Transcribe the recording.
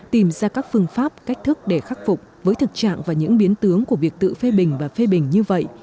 tìm ra các phương pháp cách thức để khắc phục với thực trạng và những biến tướng của việc tự phê bình và phê bình như vậy